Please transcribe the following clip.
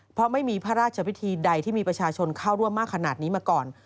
เพราะไม่มีพระราชพิธีใดที่มีประชาชนเข้าร่วมมากขนาดนี้มาก่อน